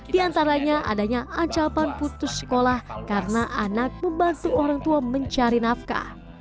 diantaranya adanya acapan putus sekolah karena anak membantu orang tua mencari nafkah